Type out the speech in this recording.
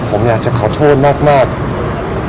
ผมอยากจะขอโทษมากครับผม